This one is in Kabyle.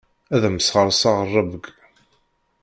Ad am-sɣerseɣ rrebg.